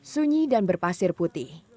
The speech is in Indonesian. sunyi dan berpasir putih